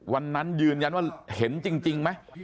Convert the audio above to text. วันนั้นยืนยันว่าเห็นจริงไหม